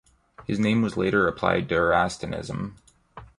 His name was later applied to Erastianism.